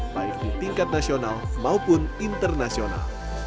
baik di tingkat nasional maupun internasional